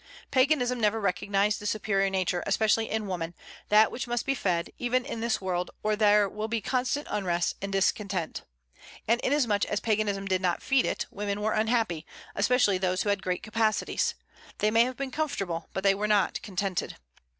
Paganism never recognized the superior nature, especially in woman, that which must be fed, even in this world, or there will be constant unrest and discontent. And inasmuch as Paganism did not feed it, women were unhappy, especially those who had great capacities. They may have been comfortable, but they were not contented.